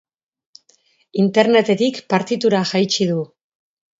Internetetik partitura jaitsi du.